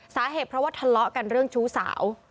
สาเหตุเพราะว่าทะเลาะกันเรื่องชู้สาว